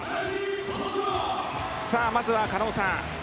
まずは狩野さん